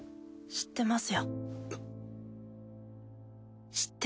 知ってます。